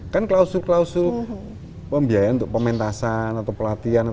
kan klausul klausul pembiayaan untuk pementasan atau pelatihan